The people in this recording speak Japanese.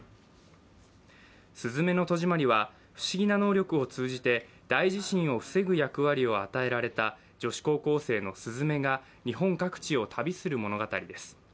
「すずめの戸締まり」は不思議な能力を通じて大地震を防ぐ役割を与えられた女子高校生の鈴芽が日本各地を旅する物語です。